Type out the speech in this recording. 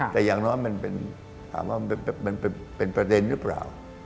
ถามว่ามันเป็นประเด็นหรือเปล่า